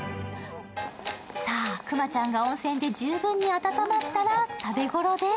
さあ、くまちゃんが温泉で十分に温まったら食べごろです。